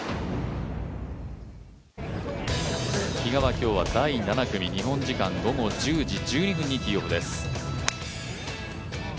比嘉は今日は第７組、日本時間午後１０時１２分にティーオフです。